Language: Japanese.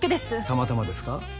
たまたまですか？